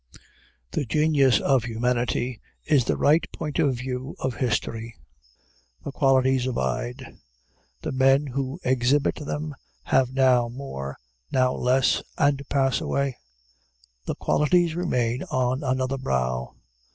The genius of humanity is the right point of view of history. The qualities abide; the men who exhibit them have now more, now less, and pass away; the qualities remain on another brow.